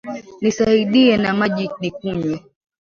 Nisaidie na maji nikunywe